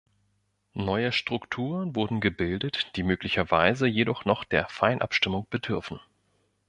Neue Strukturen wurden gebildet, die möglicherweise jedoch noch der Feinabstimmung bedürfen.